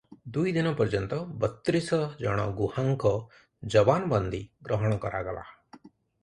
ଦୁଇଦିନ ପର୍ଯ୍ୟନ୍ତ ବତ୍ରିଶ ଜଣ ଗୁହାଙ୍କ ଜବାନବନ୍ଦୀ ଗ୍ରହଣ କରାଗଲା ।